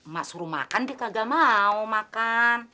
mak suruh makan dikagak mau makan